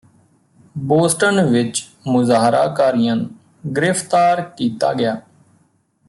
Boston ਵਿੱਚ ਮੁਜ਼ਾਹਰਾਕਾਰੀਆਂ ਨੂੰ ਗ੍ਰਿਫਤਾਰ ਕੀਤਾ ਗਿਆ